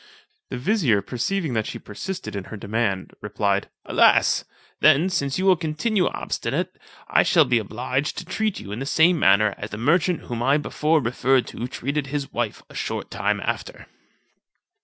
The vizier, perceiving that she persisted in her demand, replied, "Alas! then, since you will continue obstinate, I shall be obliged to treat you in the same manner as the merchant whom I before referred to treated his wife a short time after."